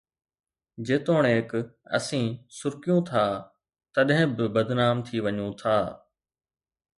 جيتوڻيڪ اسين سُرڪيون ٿا، تڏهن به بدنام ٿي وڃون ٿا